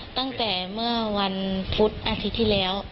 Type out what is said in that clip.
ตั้งแต่เมื่อวันพุธอาทิตย์ที่แล้ว